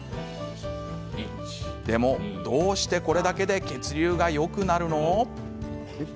でも、どうしてこれだけで血流がよくなるの？